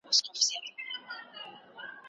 انسان مجرد قوتونه مني.